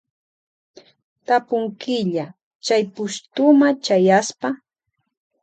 Tapunkilla Chay pushtuma chayaspa.